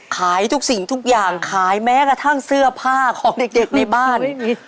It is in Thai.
ขายทุกสิ่งทุกอย่างขายแม้กระทั่งเสื้อผ้าของเด็กในบ้าน